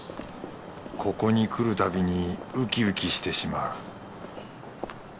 ここに来るたびにウキウキしてしまう